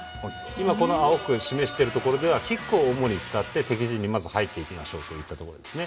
今、青く示しているところではキックを主に使って敵陣に、まず入っていきましょうというところですね。